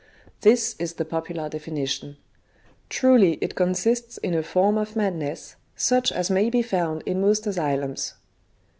This is the popular definition. Truly it consists in a form of madness, such as may be found in most asylums.